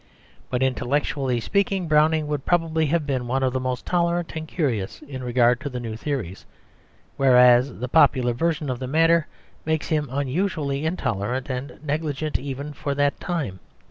But, intellectually speaking, Browning would probably have been one of the most tolerant and curious in regard to the new theories, whereas the popular version of the matter makes him unusually intolerant and negligent even for that time.